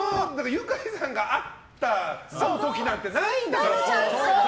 ユカイさんと合った時なんてないんだから。